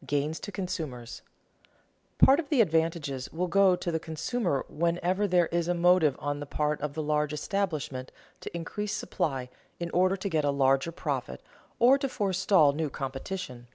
[Sidenote: Gains to consumers] Part of the advantages will go to the consumer whenever there is a motive on the part of the large establishment to increase supply in order to get a larger profit or to forestall new competition.